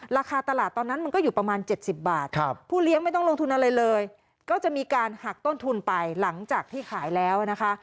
ราคาตลาดตอนนั้นมันก็อยู่ประมาณ๗๐บาทผู้เลี้ยงไม่ต้องลงทุนอะไรเลยก็จะมีการหักต้นทุนไปหลังจากที่ขายแล้วนะคะ